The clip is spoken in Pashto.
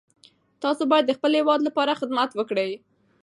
تاسو باید د خپل هیواد لپاره خدمت وکړئ.